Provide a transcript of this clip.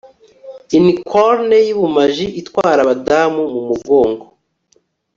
Unicorn yubumaji itwara abadamu mumugongo